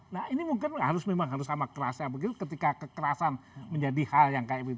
nah ini mungkin harus memang harus sama kerasnya begitu ketika kekerasan menjadi hal yang kayak begitu